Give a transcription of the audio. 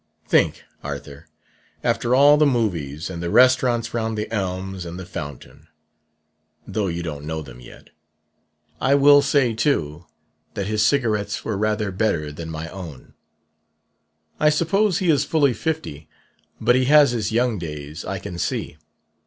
Think, Arthur! after all the movies and restaurants round the elms and the fountain (tho' you don't know them yet)! I will say, too, that his cigarettes were rather better than my own.... "I suppose he is fully fifty; but he has his young days, I can see.